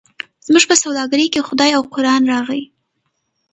زموږ په سوداګرۍ کې خدای او قران راغی.